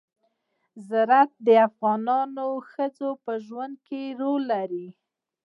زراعت د افغان ښځو په ژوند کې رول لري.